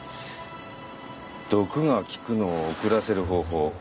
毒が効くのを遅らせる方法。